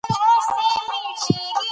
هغه اسویلی وکړ.